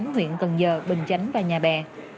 huyện cần giờ bình chánh và nhà bè